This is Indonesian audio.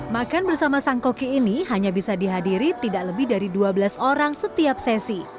makan bersama sang koki ini hanya bisa dihadiri tidak lebih dari dua belas orang setiap sesi